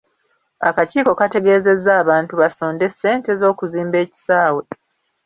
Akakiiko kategeezezza abantu basonde ssente z'okuzimba ekisaawe.